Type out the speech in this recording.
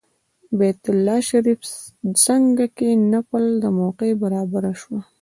بیت الله شریف څنګ کې د نفل موقع برابره شوه.